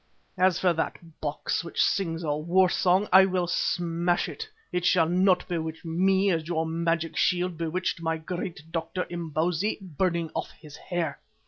As for that box which sings a war song, I will smash it; it shall not bewitch me as your magic shield bewitched my great doctor, Imbozwi, burning off his hair."